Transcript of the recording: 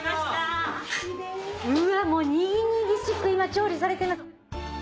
うわっにぎにぎしく調理されてます。